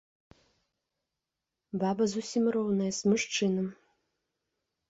Баба зусім роўная з мужчынам.